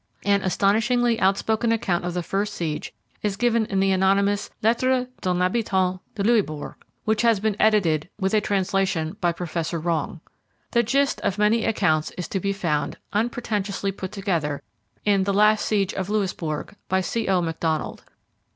An astonishingly outspoken account of the first siege is given in the anonymous 'Lettre d'un Habitant de Louisbourg', which has been edited, with a translation, by Professor Wrong. The gist of many accounts is to be found, unpretentiously put together, in 'The Last Siege of Louisbourg', by C. O. Macdonald.